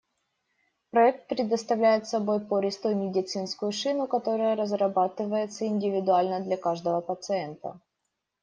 Проект представляет собой пористую медицинскую шину, которая разрабатывается индивидуально для каждого пациента.